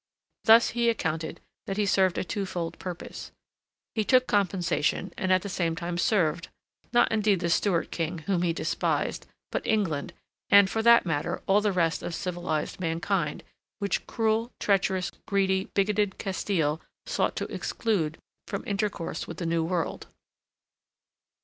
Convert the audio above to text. Thus he accounted that he served a twofold purpose: he took compensation and at the same time served, not indeed the Stuart King, whom he despised, but England and, for that matter, all the rest of civilized mankind which cruel, treacherous, greedy, bigoted Castile sought to exclude from intercourse with the New World.